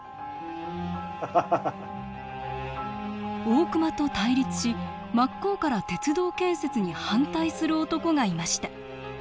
大隈と対立し真っ向から鉄道建設に反対する男がいました。